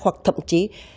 hoặc thậm chí